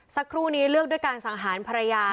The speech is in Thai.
สักครู่นี้เลือกด้วยการสังหารภรรยา